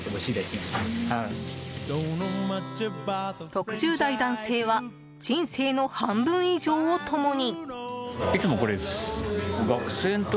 ６０代男性は人生の半分以上を共に。